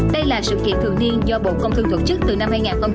đây là sự kiện thường niên do bộ công thương thuật chức từ năm hai nghìn ba